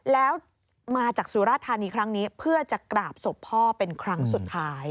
แล้วมาจากสุราธานีครั้งนี้เพื่อจะกราบศพพ่อเป็นครั้งสุดท้าย